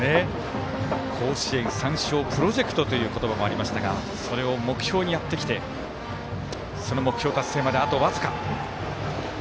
「甲子園３勝プロジェクト」という言葉もありましたがそれを目標にやってきてその目標達成まで、あと僅か。